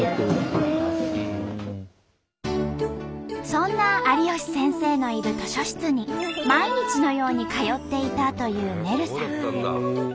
そんな有吉先生のいる図書室に毎日のように通っていたというねるさん。